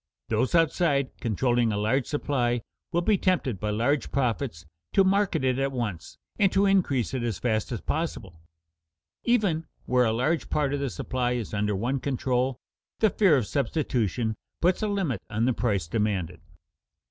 Those outside, controlling a large supply, will be tempted by large profits to market it at once and to increase it as fast as possible. Even where a large part of the supply is under one control, the fear of substitution puts a limit on the price demanded.